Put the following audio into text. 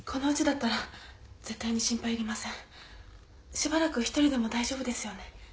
しばらく一人でも大丈夫ですよね？